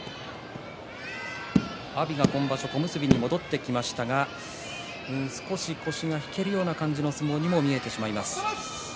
阿炎が今場所、小結に戻ってきましたが少し腰が引けるような相撲にも見えてしまいます。